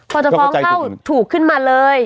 พอจะฟ้องเข้าถูกขึ้นมาเลย